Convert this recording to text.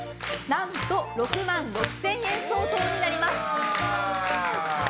何と６万６０００円相当になります。